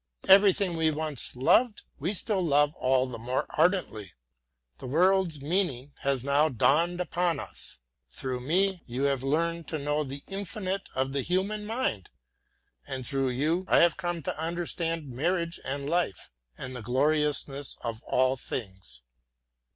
Everything we once loved we still love all the more ardently. The world's meaning has now dawned upon us. Through me you have learned to know the infinitude of the human mind, and through you I have come to understand marriage and life, and the gloriousness of all things.